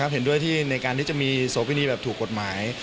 เห็นด้วยที่ในการที่จะมีโสพินีแบบถูกกฎหมาย